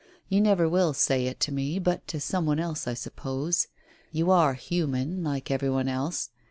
You never will say it to me — but to some one else, I suppose. You are human like every one else.